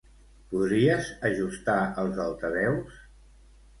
Podries ajustar els altaveus?